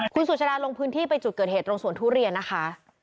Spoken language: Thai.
คุณสุชาดาลงพื้นที่ไปจุดเกิดเหตุตรงสวนทุเรียนนะคะ